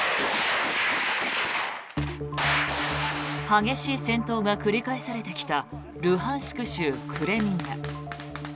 激しい戦闘が繰り返されてきたルハンシク州クレミンナ。